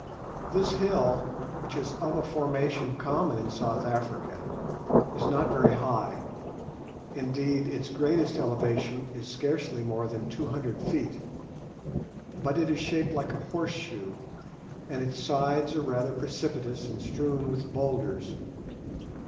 This hill, which is of a formation common in South Africa, is not very high; indeed, its greatest elevation is scarcely more than 200 feet, but it is shaped like a horseshoe, and its sides are rather precipitous and strewn with boulders.